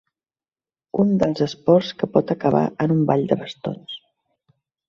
Un dels esports que pot acabar en un ball de bastons.